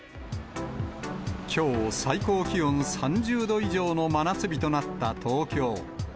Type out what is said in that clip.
きょう、最高気温３０度以上の真夏日となった東京。